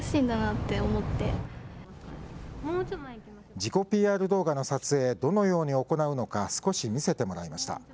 自己ＰＲ動画の撮影、どのように行うのか、少し見せてもらいました。